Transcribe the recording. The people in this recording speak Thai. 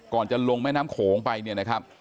จะลงแม่น้ำโขงไปเนี่ยนะครับ